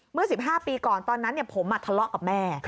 เมื่อ๑๕ปีก่อนตอนนั้นผมทะเลาะกับแม่